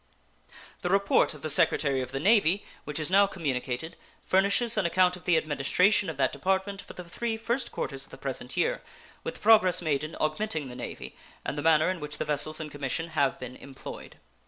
The report of the Secretary of the Navy, which is now communicated, furnishes an account of the administration of that Department for the three first quarters of the present year, with the progress made in augmenting the Navy, and the manner in which the vessels in commission have been employed.